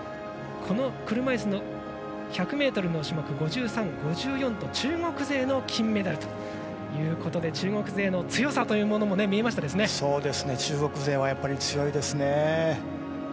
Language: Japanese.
車いすのクラス５３、５４と中国勢の金メダルということで中国勢の強さというのも中国勢は強いですね。